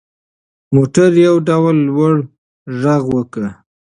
موټر یو ډول لوړ غږ وکړ.